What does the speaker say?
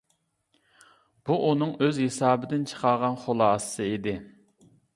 بۇ ئۇنىڭ ئۆز ھېسابىدىن چىقارغان خۇلاسىسى ئىدى.